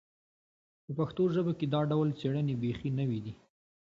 په پښتو ژبه کې دا ډول څېړنې بیخي نوې دي